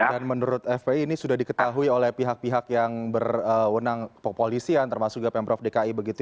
dan menurut fpi ini sudah diketahui oleh pihak pihak yang berwenang kepolisian termasuk juga pemprov dki